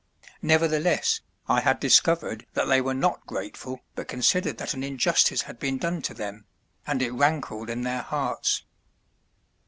Nevertheless, I had discovered that they were not grateful but considered that an injustice had been done to them, and it rankled in their hearts.